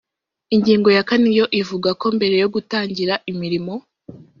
Ingingo ya kane yo ivuga ko mbere yo gutangira imirimo